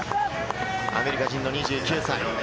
アメリカ人の２９歳。